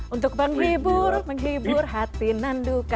untuk menghibur menghibur hati nanduka